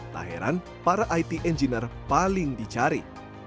tak heran para it engineer paling dicari